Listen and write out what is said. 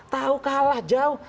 tahu kalah jauh